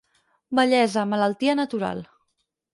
Vellesa, malaltia natural.